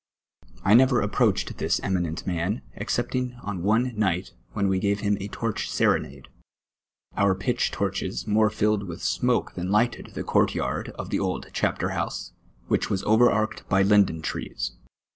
I never approaclied tliis eminent man, excepting on one night, when we gave him a torch serenade. Our pitch torches more filled with smoke than lighted the court yard of the old chapter house, which was over arched by linden trees.